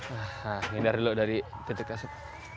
nah hindar dulu dari titik asik